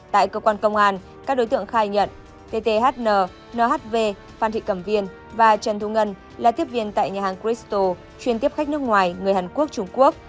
tại cơ quan công an các đối tượng khai nhận tthn nhv phan thị cẩm viên và trần thu ngân là tiếp viên tại nhà hàng christo chuyên tiếp khách nước ngoài người hàn quốc trung quốc